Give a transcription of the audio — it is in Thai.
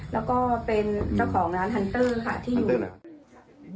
แล้วก็เป็นเจ้าของร้านฮันเตอร์ค่ะที่อยู่